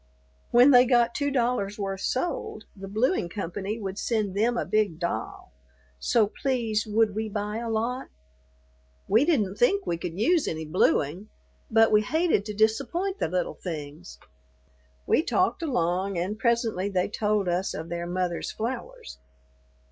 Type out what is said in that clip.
When they got two dollars' worth sold, the blueing company would send them a big doll; so, please, would we buy a lot? We didn't think we could use any blueing, but we hated to disappoint the little things. We talked along, and presently they told us of their mother's flowers.